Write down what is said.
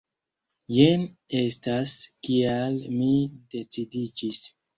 Jen estas kial mi decidiĝis.